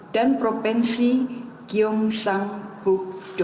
dan provinsi gyeongsangbuk do